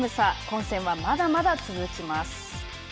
混戦は、まだまだ続きます。